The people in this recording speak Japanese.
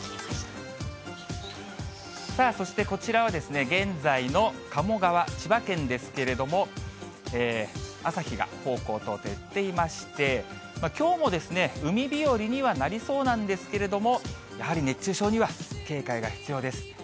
さあ、そしてこちらは現在の鴨川、千葉県ですけれども、朝日がこうこうと照っていまして、きょうもですね、海日和にはなりそうなんですけれども、やはり熱中症には警戒が必要です。